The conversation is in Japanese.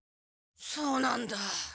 そうなんだ。